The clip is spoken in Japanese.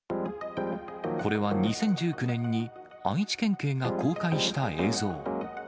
これは２０１９年に愛知県警が公開した映像。